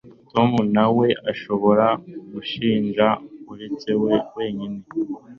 Tom ntawe ushobora gushinja uretse we wenyine